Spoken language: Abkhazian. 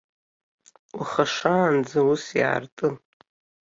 Уаха шаанӡа ус иаартын.